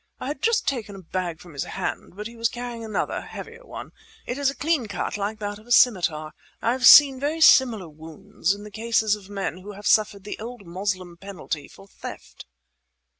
I had just taken a bag from his hand, but he was carrying another, heavier one. It is a clean cut, like that of a scimitar. I have seen very similar wounds in the cases of men who have suffered the old Moslem penalty for theft."